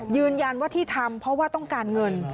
ยืนยันว่าที่ทำเพราะว่าต้องการเงิน